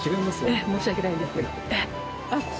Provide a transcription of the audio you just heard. ええ申し訳ないですけど。